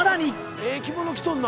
ええ着物着とんな。